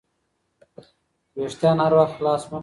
وېښتان هر وخت خلاص مه پریږدئ.